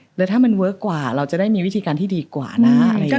หรือถ้ามันเวิร์คกว่าเราจะได้มีวิธีการที่ดีกว่านะอะไรอย่างนี้